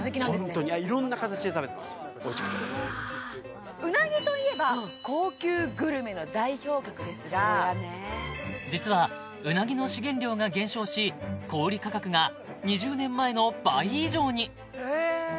ホントにいろんな形で食べてますおいしくてうなぎといえば高級グルメの代表格ですが実はうなぎの資源量が減少し小売価格が２０年前の倍以上にえっ！